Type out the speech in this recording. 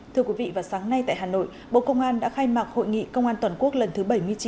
thưa quý vị vào sáng nay tại hà nội bộ công an đã khai mạc hội nghị công an toàn quốc lần thứ bảy mươi chín